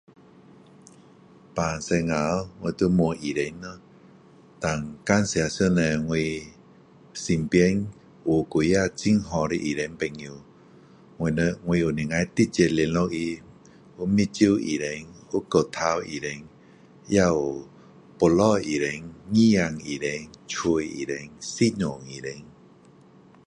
病时候我就问医生咯胆感谢上帝我身边有几个很好的医生朋友我们我能够直接联络他有眼睛医生有骨头医生也有肚子医生耳朵医生嘴巴医生心脏医生